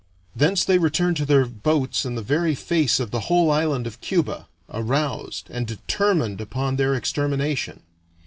Thence they returned to their boats in the very face of the whole island of Cuba, aroused and determined upon their extermination.